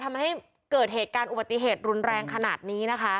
ทำให้เกิดเหตุการณ์อุบัติเหตุรุนแรงขนาดนี้นะคะ